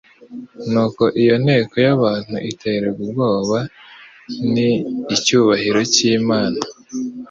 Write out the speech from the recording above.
Nuko iyo nteko y'abantu iterwa ubwoba n'«icyubahiro cy'Imana,»